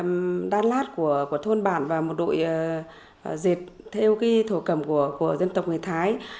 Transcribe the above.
một đội đa lạc của thôn bản và một đội dệt theo thổ cẩm của dân tộc người thái